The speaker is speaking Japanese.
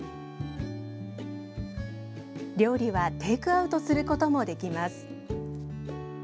料理はテイクアウトすることもできます。